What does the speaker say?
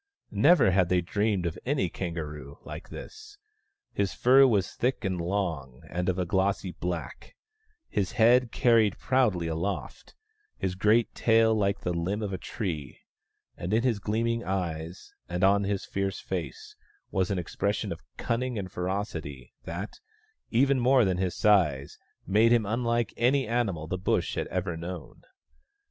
Never had they dreamed of any kangaroo like this. His fur was thick and long, and of a glossy black ; his head carried proudly aloft, his great tail like the limb of a tree. And in his gleaming eyes, and on his fierce face, was an expression of cunning and ferocity that, even more than his size, made him unlike any animal the Bush had ever known.